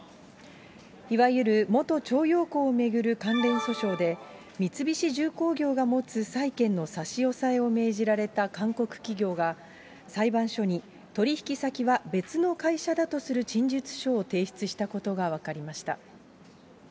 いわゆる元徴用工を巡る関連訴訟で三菱重工業が持つ債権の差し押さえを命じられた韓国企業が、裁判所に取引先は別の会社だとする陳述書を提出したことが分かりました。